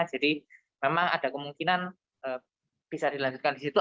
jadi memang ada kemungkinan bisa dilanjutkan di situ